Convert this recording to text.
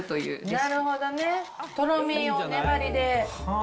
なるほどね、とろみを粘りで。